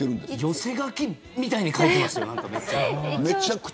寄せ書きみたいに書いてます。